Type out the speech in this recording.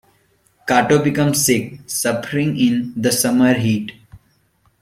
Kato became sick, suffering in the summer heat.